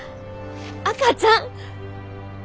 赤ちゃん。